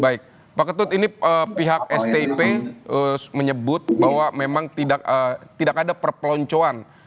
baik pak ketut ini pihak stip menyebut bahwa memang tidak ada perpeloncoan